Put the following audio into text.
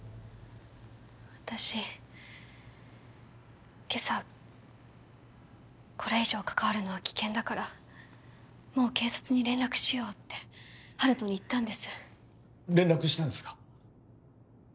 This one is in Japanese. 私今朝これ以上関わるのは危険だからもう警察に連絡しようって温人に言ったんです連絡したんですか？